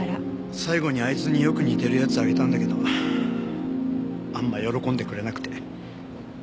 最後にあいつによく似てるやつあげたんだけどあんま喜んでくれなくて。